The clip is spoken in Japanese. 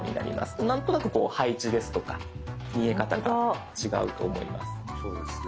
何となくこう配置ですとか見え方が違うと思います。